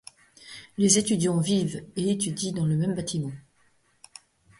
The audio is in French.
Les étudiants vivent et étudient dans le même bâtiment.